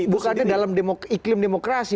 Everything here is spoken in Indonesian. bukannya dalam iklim demokrasi